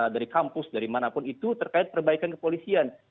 dari kampus dari manapun itu terkait perbaikan kepolisian